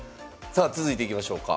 さあ続いていきましょうか。